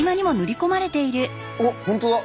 おっ本当だ。